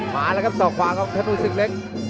มาแล้วครับศอกขวาของธนูศึกเล็ก